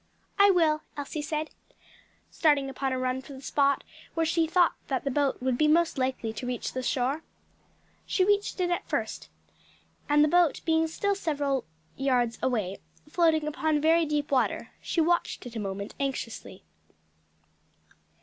"I will," Elsie said, starting upon a run for the spot where she thought that the boat would be most likely to reach the shore. She reached it first, and the boat being still several yards away floating upon very deep water, she watched it a moment anxiously.